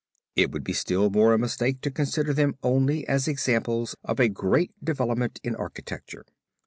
It would be still more a mistake to consider them only as examples of a great development in architecture.